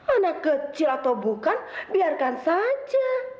anak kecil atau bukan biarkan saja